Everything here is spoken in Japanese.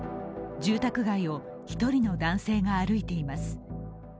住宅街を一人の男性が歩いています。